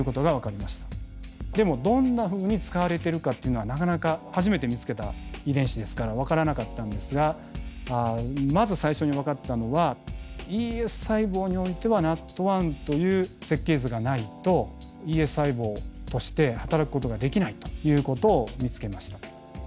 でもどんなふうに使われているかっていうのはなかなか初めて見つけた遺伝子ですから分からなかったんですがまず最初に分かったのはＥＳ細胞においてはＮＡＴ１という設計図がないとＥＳ細胞として働くことができないということを見つけました。